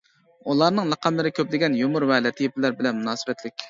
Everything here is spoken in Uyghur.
ئۇلارنىڭ لەقەملىرى كۆپلىگەن يۇمۇر ۋە لەتىپىلەر بىلەن مۇناسىۋەتلىك.